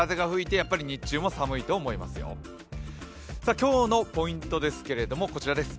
今日のポイントですけれどもこちらです。